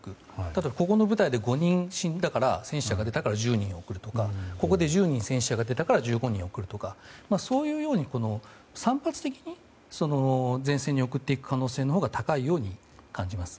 例えばここの部隊で５人死んだから戦死者が出たから１０人送るとかここで１０人戦死者が出たから１５人送るとか、そういうように散発的に前線に送っていく可能性のほうが高いように感じます。